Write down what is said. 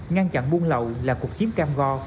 ngăn chặn buôn lậu là cuộc chiếm cam go